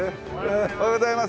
おはようございます。